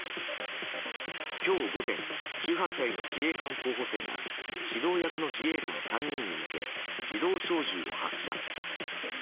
今日午前１８歳の自衛官候補生が指導役の自衛官３人に向け自動小銃を発射。